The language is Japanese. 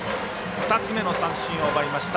２つ目の三振を奪いました。